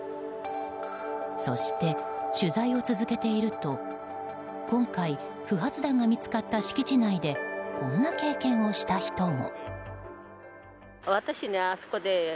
そして、取材を続けていると今回、不発弾が見つかった敷地内でこんな経験をした人も。